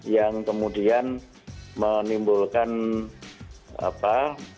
yang kemudian menimbulkan apa